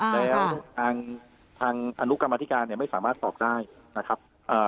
แล้วทางทางอนุกรรมธิการเนี่ยไม่สามารถสอบได้นะครับ